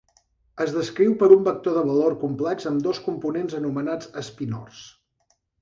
Es descriu per un vector de valor complex amb dos components anomenats espinors.